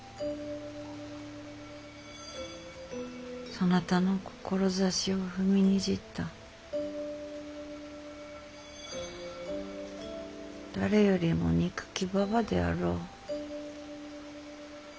そなたの志を踏みにじった誰よりも憎きババであろう。